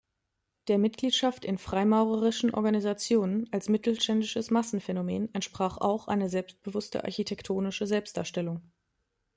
Der Mitgliedschaft in freimaurerischen Organisationen als mittelständisches Massenphänomen entsprach auch eine selbstbewusste architektonische Selbstdarstellung.